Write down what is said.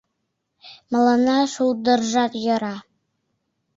Мыланна шулдыржат йӧра...